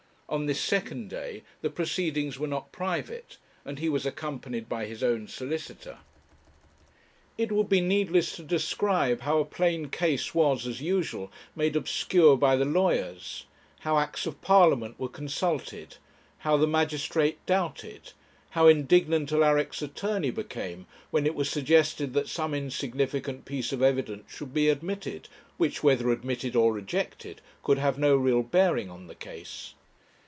On this second day the proceedings were not private, and he was accompanied by his own solicitor. It would be needless to describe how a plain case was, as usual, made obscure by the lawyers, how Acts of Parliament were consulted, how the magistrate doubted, how indignant Alaric's attorney became when it was suggested that some insignificant piece of evidence should be admitted, which, whether admitted or rejected, could have no real bearing on the case.